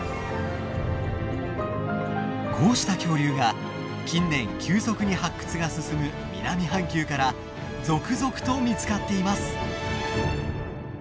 こうした恐竜が近年急速に発掘が進む南半球から続々と見つかっています。